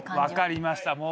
わかりました。